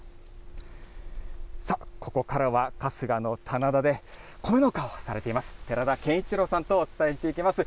さあ、ここからは、春日の棚田で、米農家をされています、寺田賢一郎さんとお伝えしていきます。